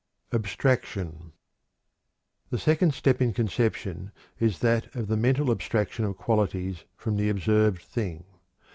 ABSTRACTION. The second step in conception is that of the mental abstraction of qualities from the observed thing.